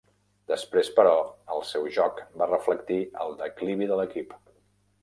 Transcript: Després, però, el seu joc va reflectir el declivi de l'equip.